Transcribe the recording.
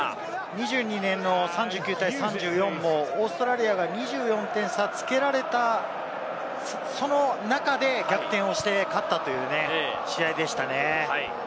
２２年の３４対３９もオーストラリアが２４点差をつけられた、その中で逆転して勝ったという試合でしたね。